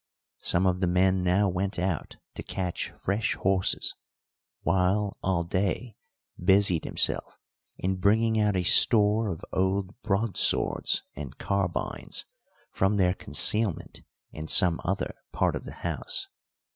Some of the men now went out to catch fresh horses, while Alday busied himself in bringing out a store of old broadswords and carbines from their concealment in some other part of the house.